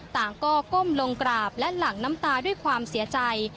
ต่างก็ก้มลงกราบและหลั่งน้ำตาด้วยความเสียใจ